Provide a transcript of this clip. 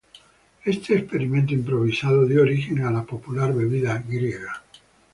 Este experimento improvisado dio origen a la popular bebida griega.